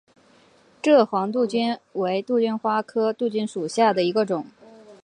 蔗黄杜鹃为杜鹃花科杜鹃属下的一个种。